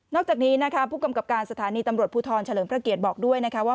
จากนี้นะคะผู้กำกับการสถานีตำรวจภูทรเฉลิมพระเกียรติบอกด้วยนะคะว่า